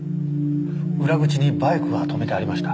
裏口にバイクが止めてありました。